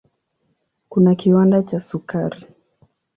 Kuna kiwanda cha sukari.